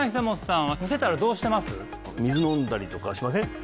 水飲んだりとかしません？